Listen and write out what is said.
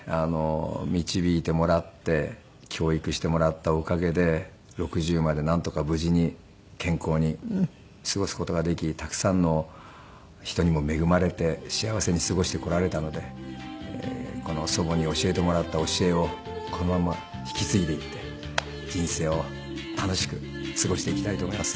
導いてもらって教育してもらったおかげで６０までなんとか無事に健康に過ごす事ができたくさんの人にも恵まれて幸せに過ごしてこられたのでこの祖母に教えてもらった教えをこのまま引き継いでいって人生を楽しく過ごしていきたいと思います。